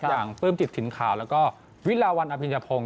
อย่างปื้มจิตถิ่นข่าวแล้วก็วิลาวัลอพิญญาโพง